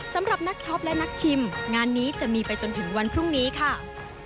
สำหรับนักช็อปและนักชิมงานนี้จะมีไปจนถึงวันพรุ่งนี้ค่ะ